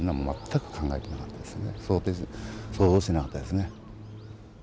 想像してなかったですね。